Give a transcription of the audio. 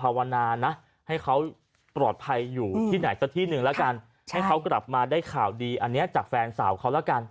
ภาวนานะให้เขาปลอดภัยอยู่ที่ไหนสักที่หนึ่งแล้วกันให้เขากลับมาได้ข่าวดีอันนี้จากแฟนสาวเขาแล้วกัน